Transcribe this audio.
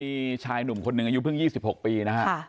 มีชายหนุ่มคนหนึ่งอายุเพิ่ง๒๖ปีนะฮะ